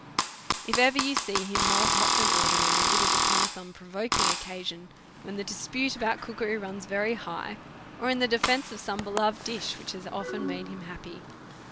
If you ever see him more hot than Ordinary, as is upon some provoking occa sion, when the dispute about cookery runs very high, or in the defence of some beloved dish, which has of ten made him happy.